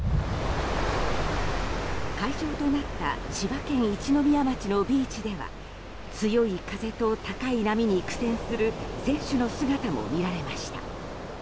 会場となった千葉県一宮町のビーチでは強い風と、高い波に苦戦する選手の姿も見られました。